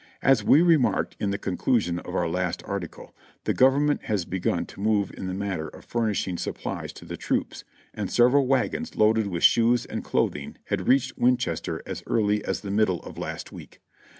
As we remarked in the conclusion of our last article, the Government has begun to move in the matter of furnish ing supplies to the troops, and several wagons loaded with shoes and clothing had reached Winchester as early as the middle of last week.